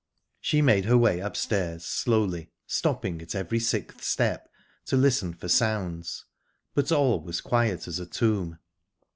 She made her way upstairs slowly, stopping at every sixth step to listen for sounds; but all was quiet as a tomb.